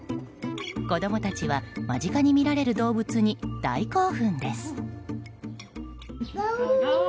子供たちは間近に見られる動物に大興奮です。